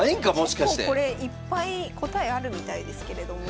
結構これいっぱい答えあるみたいですけれども。